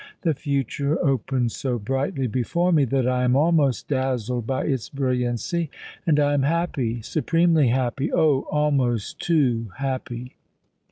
"The future opens so brightly before me, that I am almost dazzled by its brilliancy. And I am happy—supremely happy—Oh! almost too happy!"